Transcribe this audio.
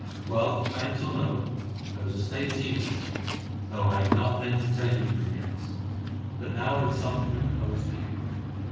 Well, thanks or no thanks, those estates are yours, though I had not meant to tell you of them yet. But now I have something to propose to you.